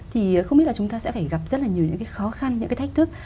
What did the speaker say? thì không biết là chúng ta sẽ phải gặp rất là nhiều những cái khó khăn những cái thách thức